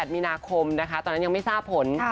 มีนาคมนะคะตอนนั้นยังไม่ทราบผล